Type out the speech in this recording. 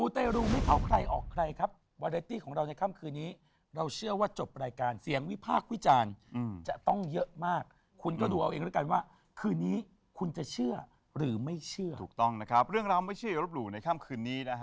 ตรงต้องนะครับเรื่องราวไม่เชื่ออยวะรับหลู่ในค่ำคืนนี้